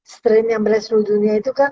strain yang berasal dari dunia itu kan